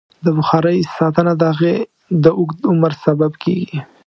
د بخارۍ ساتنه د هغې د اوږد عمر سبب کېږي.